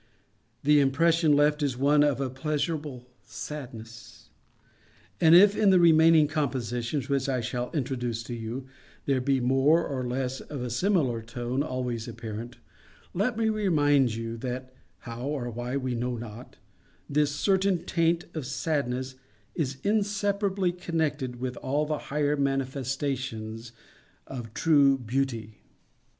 The impression left is one of a pleasurable sadness. And if, in the remaining compositions which I shall introduce to you, there be more or less of a similar tone always apparent, let me remind you that (how or why we know not) this certain taint of sadness is inseparably connected with all the higher manifestations of true Beauty.